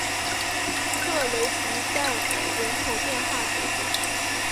特雷迪代尔人口变化图示